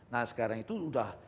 nah sekarang itu sudah